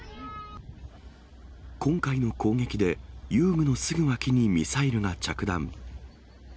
今回の攻撃で、遊具のすぐ脇にミサイルが着弾。